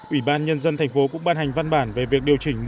ubnd tp cũng ban hành văn bản về việc điều chỉnh